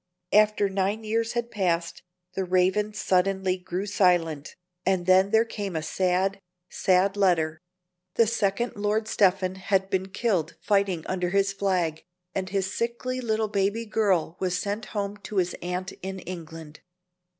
After nine years had passed, the Raven suddenly grew silent, and then there came a sad, sad letter: the second Lord Stephen had been killed fighting under his flag, and his sickly little baby girl was sent home to his aunt in England.